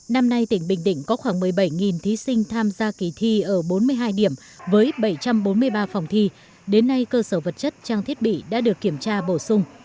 năm nay tỉnh bình định có khoảng một mươi bảy thí sinh tham gia kỳ thi ở bốn mươi hai điểm với bảy trăm bốn mươi ba phòng thi đến nay cơ sở vật chất trang thiết bị đã được kiểm tra bổ sung